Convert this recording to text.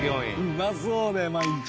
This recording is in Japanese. うまそうね毎日。